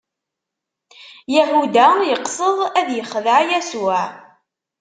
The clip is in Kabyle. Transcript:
Yahuda yeqsed ad ixdeɛ Yasuɛ.